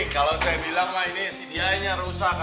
kalau saya bilang lah ini si dia ini yang rusak